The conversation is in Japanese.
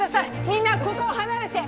みんなここを離れて！